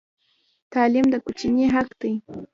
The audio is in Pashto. تعلیم د کوچني حق دی.